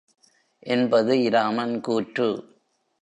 என்பது இராமன் கூற்று.